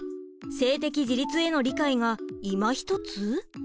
性的自立への理解がいまひとつ？